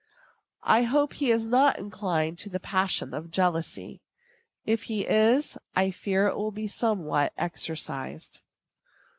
I hope he is not inclined to the passion of jealousy. If he is, I fear it will be somewhat exercised.